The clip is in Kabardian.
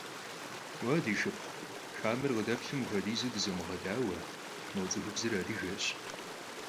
Vua, di şşıpxhu, xamer khıdeplhu mıpxuedizu dızomığedaue, mo ts'ıxubzır adıgeş.